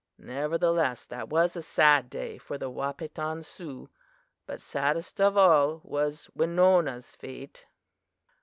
Nevertheless that was a sad day for the Wahpeton Sioux; but saddest of all was Winona's fate!